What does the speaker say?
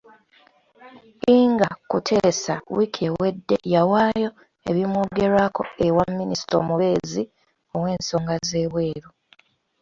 Ingah Kuteesa wiiki ewedde yawaayo ebimwogerwako ewa Minisita omubeezi ow'ensonga z'ebweru .